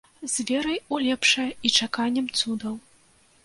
З верай у лепшае і чаканнем цудаў.